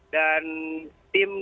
dan tim yang